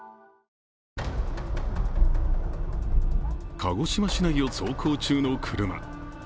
鹿児島市内を走行中の車。